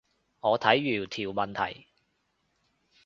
我睇完條問題